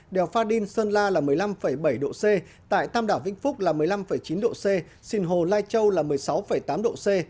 đèo pha đin sơn la là một mươi năm bảy độ c tại tam đảo vĩnh phúc là một mươi năm chín độ c sinh hồ lai châu là một mươi sáu tám độ c